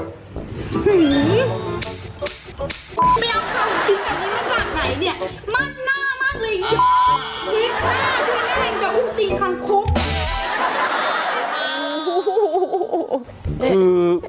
หื้อ